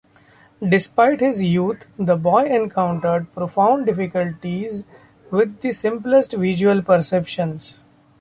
Despite his youth, the boy encountered profound difficulties with the simplest visual perceptions.